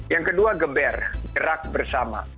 yang kedua geber gerak bersama